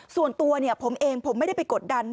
ส่วนตัวผมเองผมไม่ได้ไปกดดัน